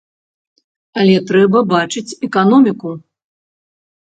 Але трэба бачыць эканоміку.